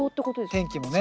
天気もね。